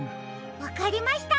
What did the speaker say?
わかりました！